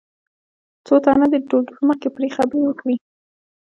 څو تنه دې د ټولګي په مخ کې پرې خبرې وکړي.